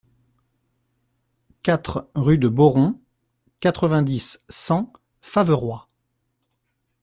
quatre rue de Boron, quatre-vingt-dix, cent, Faverois